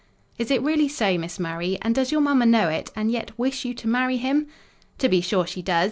"Is it really so, Miss Murray? and does your mamma know it, and yet wish you to marry him?" "To be sure, she does!